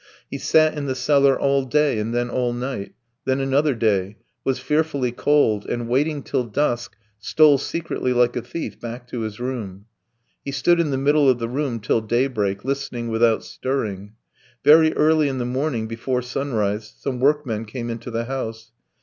He sat in the cellar all day and then all night, then another day, was fearfully cold, and waiting till dusk, stole secretly like a thief back to his room. He stood in the middle of the room till daybreak, listening without stirring. Very early in the morning, before sunrise, some workmen came into the house.